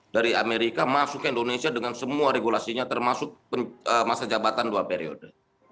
dari amerika masuk ke indonesia dengan semua regulasinya termasuk masa jabatan dua periode